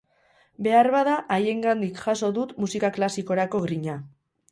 Beharbada, haiengandik jaso dut musika klasikorako grina.